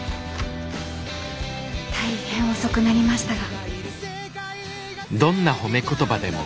大変遅くなりましたが。